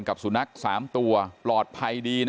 ขอบคุณทุกคน